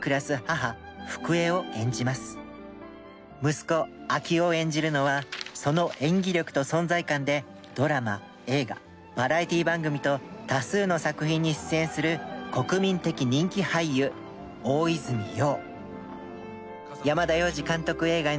息子昭夫を演じるのはその演技力と存在感でドラマ映画バラエティー番組と多数の作品に出演する国民的人気俳優大泉洋。